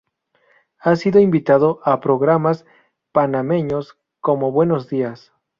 Ha sido invitado a programas panameños como "Buenos Días".